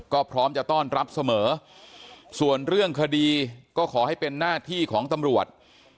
ก็พร้อมจะต้อนรับเสมอส่วนเรื่องคดีก็ขอให้เป็นหน้าที่ของตำรวจ